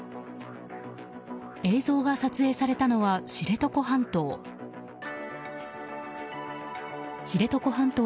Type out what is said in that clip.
映像が撮影されたのは知床半島。